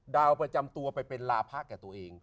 ดาวประจำตัวไปเป็นลาพะแก่ตัวเอง